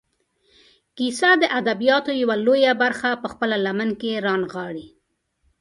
کیسه د ادبیاتو یوه لویه برخه په خپله لمن کې رانغاړي.